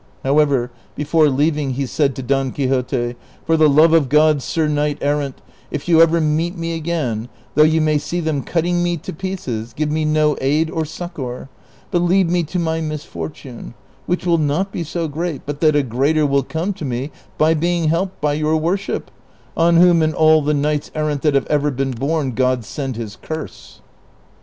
However, before leaving he said to Don Quixote, " For the love of God, sir knight errant, if you ever meet me again, though you may see them cutting me to pieces, give me no aid or succor, but leave me to my mis fortune, which will not be so great but that a greater Avill come to me by being helped by your worship, on whom and all the knights errant that have ever been born God send his curse."